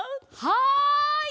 はい！